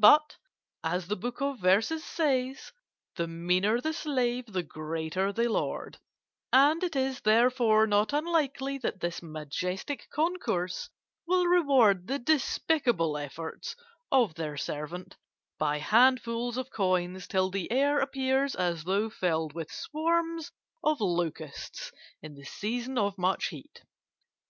"But, as the Book of Verses says, 'The meaner the slave, the greater the lord'; and it is, therefore, not unlikely that this majestic concourse will reward the despicable efforts of their servant by handfuls of coins till the air appears as though filled with swarms of locusts in the season of much heat.